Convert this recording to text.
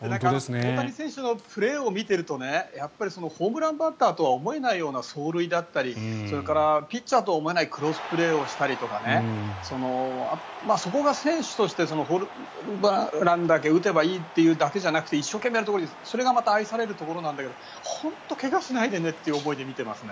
大谷選手のプレーを見ているとホームランバッターとは思えないような走塁だったりピッチャーとは思えないクロスプレーをしたりとかそこが選手としてホームランだけ打てばいいというだけじゃなくて一生懸命なところ、それがまた愛されるところなんだけど本当に怪我しないでねって思いで見ています。